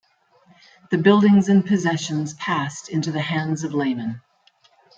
The buildings and possessions passed into the hands of laymen.